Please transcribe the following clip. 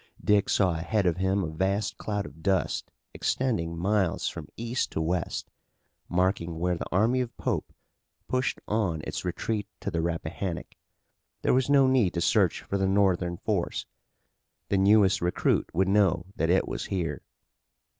Dick saw ahead of him a vast cloud of dust extending miles from east to west, marking where the army of Pope pushed on its retreat to the Rappahannock. There was no need to search for the Northern force. The newest recruit would know that it was here.